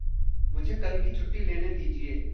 मुझे कल की छुट्टी लेने दीजिए।